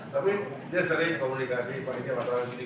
tapi dia sering komunikasi palingnya masalahnya di mana mana